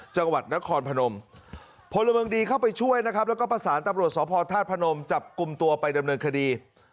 จังหวัดนครพนมพลเมืองดีเข้าไปช่วยนะครับแล้วก็ประสานตำรวจสพธาตุพนมจับกลุ่มตัวไปดำเนินคดี